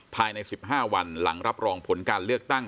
ภายใน๑๕วันหลังรับรองผลการเลือกตั้ง